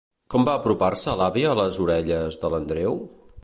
Com va apropar-se l'àvia a les orelles de l'Andreu?